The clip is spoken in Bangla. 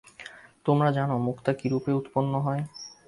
তোমরা জান, মুক্তা কিরূপে উৎপন্ন হয়।